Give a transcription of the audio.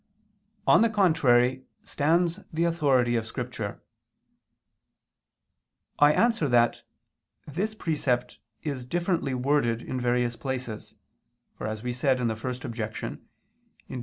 On the contrary stands the authority of Scripture. I answer that, This precept is differently worded in various places: for, as we said in the first objection, in Deut.